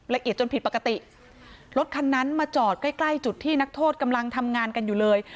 จนผิดปกติรถคันนั้นมาจอดใกล้ใกล้จุดที่นักโทษกำลังทำงานกันอยู่เลย